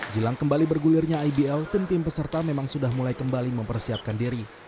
jelang kembali bergulirnya ibl tim tim peserta memang sudah mulai kembali mempersiapkan diri